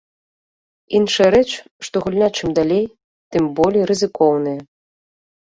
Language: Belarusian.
Іншая рэч, што гульня чым далей, тым болей рызыкоўная.